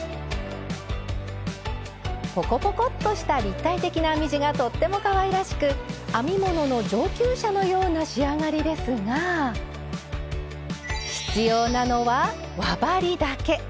ポコポコッとした立体的な編み地がとってもかわいらしく編み物の上級者のような仕上がりですが必要なのは輪針だけ！